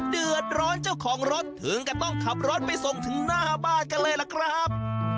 เดือดร้อนเจ้าของรถถึงก็ต้องขับรถไปส่งถึงหน้าบ้านกันเลยล่ะครับ